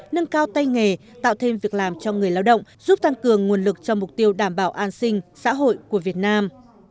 nâng cao tay nghề tạo thêm việc làm cho người lao động giúp tăng cường nguồn lực cho mục tiêu đảm bảo an sinh xã hội của việt nam